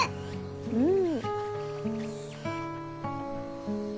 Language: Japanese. うん。